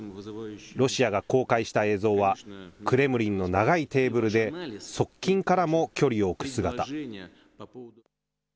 ロシアが公開した映像はクレムリンの長いテーブルで側近からも距離を置く姿。